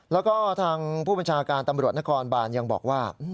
แล้วก็ทางผู้บัญชาการตำรวจนครบานยังบอกว่า